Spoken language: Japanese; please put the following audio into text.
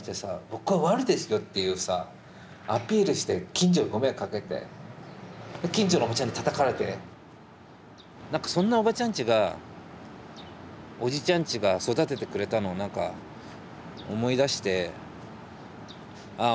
「僕は悪ですよ」っていうさアピールして近所にご迷惑かけて近所のおばちゃんにたたかれて何かそんなおばちゃんちがおじちゃんちが育ててくれたのを何か思い出して。